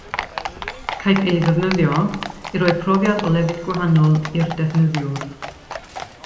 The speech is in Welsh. Caiff ei ddefnyddio i roi profiad o lefydd gwahanol i'r defnyddiwr.